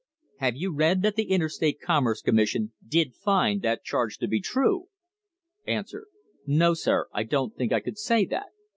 Haven't you read that the Interstate Commerce Commission did find that charge to be true ? A. No, sir; I don't think I could say that.